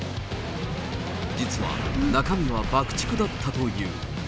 実は、中身は爆竹だったという。